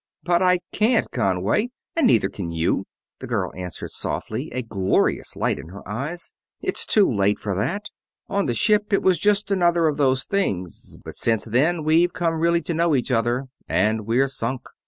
"But I can't, Conway, and neither can you," the girl answered softly, a glorious light in her eyes. "It's too late for that. On the ship it was just another of those things, but since then we've come really to know each other, and we're sunk.